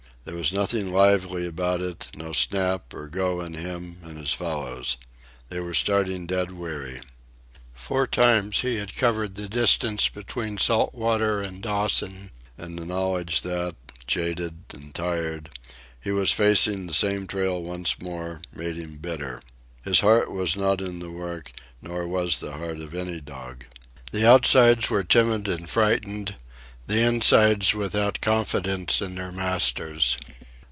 There was nothing lively about it, no snap or go in him and his fellows. They were starting dead weary. Four times he had covered the distance between Salt Water and Dawson, and the knowledge that, jaded and tired, he was facing the same trail once more, made him bitter. His heart was not in the work, nor was the heart of any dog. The Outsides were timid and frightened, the Insides without confidence in their masters.